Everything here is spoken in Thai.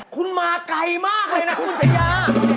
คุณมาไกลมากเลยนะคุณชายา